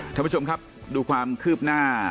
ท่านผู้ชมครับดูความคืบหน้า